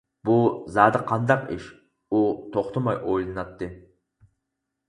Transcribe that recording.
بۇ زادى قانداق ئىش؟ ئۇ توختىماي ئويلىناتتى.